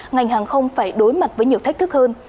ngành hàng không phải đối mặt với nhiều thách thức hơn